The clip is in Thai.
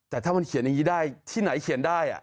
แต่ถ้ามันเขียนอย่างนี้ได้ที่ไหนเขียนได้